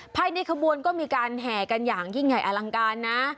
ภายในขบวนก็มีการแห่กันอย่างยิ่งใหญ่อลังการนะ